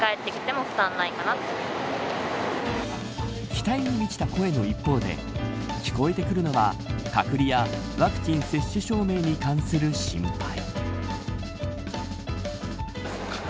期待に満ちた声の一方で聞こえてくるのは、隔離やワクチン接種証明に関する心配。